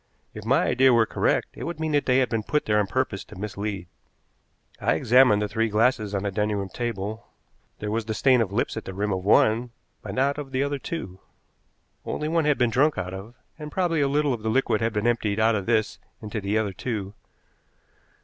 If my idea were correct, it would mean that they had been put there on purpose to mislead. I examined the three glasses on the dining room table; there was the stain of lips at the rim of one, but not of the other two. Only one had been drunk out of, and probably a little of the liquid had been emptied out of this into the other two.